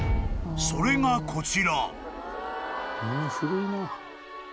［それがこちら］